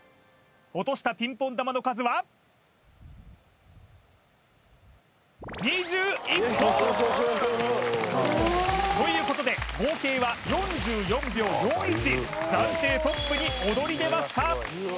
落としたピンポン球の数はということで合計は４４秒４１暫定トップに躍り出ました